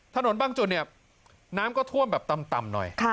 บางจุดเนี่ยน้ำก็ท่วมแบบต่ำหน่อย